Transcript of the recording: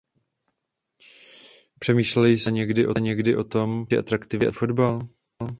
Přemýšleli jste někdy o tom, proč je atraktivní fotbal?